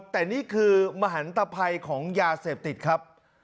แต่นี่คือมหันตภัยของยาเสพติดครับ